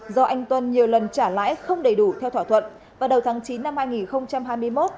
do anh tuấn nhiều lần trả lãi không đầy đủ theo thỏa thuận vào đầu tháng chín năm hai nghìn hai mươi một